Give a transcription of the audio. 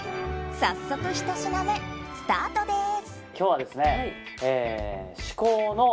早速、１品目スタートです。